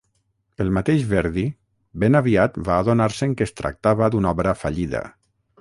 El mateix Verdi, ben aviat va adonar-se'n que es tractava d'una obra fallida.